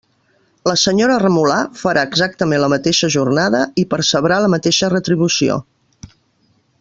La senyora Remolà farà exactament la mateixa jornada i percebrà la mateixa retribució.